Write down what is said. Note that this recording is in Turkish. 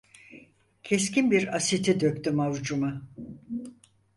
Keskin bir asiti döktüm avucuma.